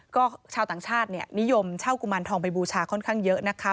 ก็ชาวต่างชาตินิยมเช่ากุมารทองไปบูชาค่อนข้างเยอะนะคะ